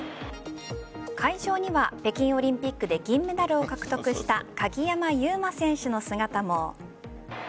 会場には北京オリンピックで銀メダルを獲得した鍵山優真選手の姿も。